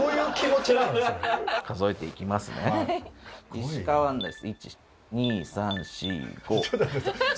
「石川あんなです」。